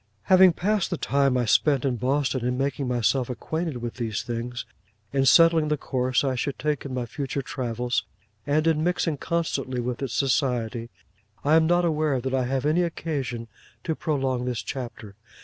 Having passed the time I spent in Boston, in making myself acquainted with these things, in settling the course I should take in my future travels, and in mixing constantly with its society, I am not aware that I have any occasion to prolong this chapter.